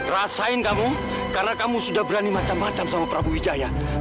rasain kamu karena kamu sudah berani macam macam sama prabu wijaya